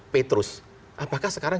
petrus apakah sekarang